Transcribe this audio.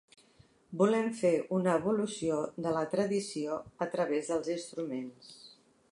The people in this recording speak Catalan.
Volem fer una evolució de la tradició a través dels instruments.